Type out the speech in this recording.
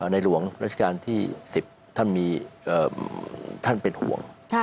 หลวงราชการที่๑๐ท่านมีท่านเป็นห่วง